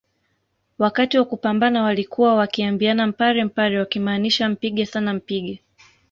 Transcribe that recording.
Wakati wa kupambana walikuwa wakiambiana mpare mpare wakimaanisha mpige sana mpige